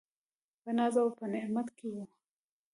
په ناز او په نعمت کي و .